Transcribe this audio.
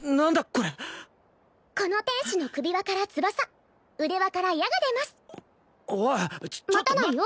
これこの天使の首輪から翼腕輪から矢が出ますおいっちょっと待て待たないよ